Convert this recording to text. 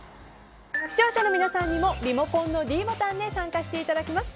視聴者の皆さんにもリモコンのｄボタンで参加していただきます。